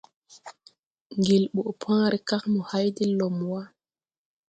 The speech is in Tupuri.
Ŋgel ɓɔʼ pããre kag mo hay de lɔm wà.